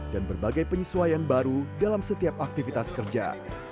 dan berbagai penyesuaian baru dalam setiap aktivitas kerja